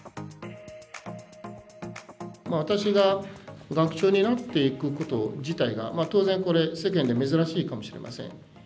私が学長になっていくこと自体が当然これ世間で珍しいかもしれません。